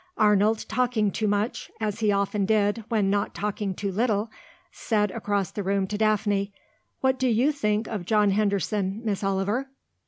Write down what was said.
Arnold, talking too much, as he often did when not talking too little, said across the room to Daphne, "What do you think of John Henderson, Miss Oliver?"